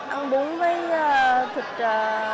ăn bún với thịt heo